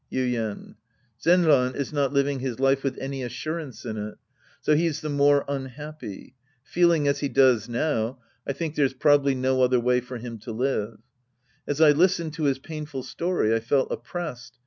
Yuien. Zenran is not living his life with any as surance in it. So he's the more unhappy. Feeling as he does now, I think there's probably no other way for him to live. As I listened to liis painful story, I felt oppressed.